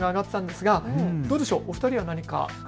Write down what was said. どうでしょう、お二人は何か？